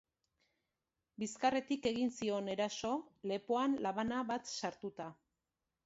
Bizkarretik egin zion eraso, lepoan labana bat sartuta.